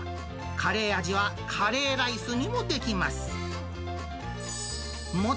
カレー味はカレーライスにもできます。